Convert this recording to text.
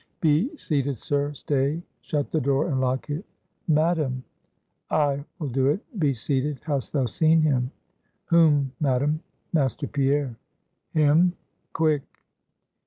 "Be seated, sir; stay, shut the door and lock it." "Madam!" "I will do it. Be seated. Hast thou seen him?" "Whom, Madam? Master Pierre?" "Him! quick!"